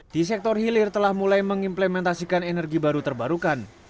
di sektor hilir telah mulai mengimplementasikan energi baru terbarukan